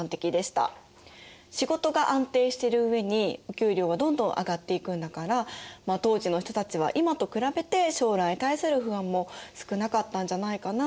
仕事が安定してる上にお給料はどんどん上がっていくんだから当時の人たちは今と比べて将来に対する不安も少なかったんじゃないかな？